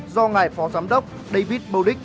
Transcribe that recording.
do ngài phó giám đốc david burdick